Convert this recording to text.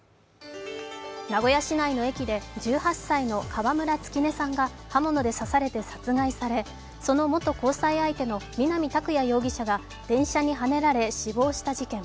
名古屋市内の駅で１８歳の川村月音さんが刃物で刺されて殺害されその元交際相手の南拓哉容疑者が電車にはねられ死亡した事件。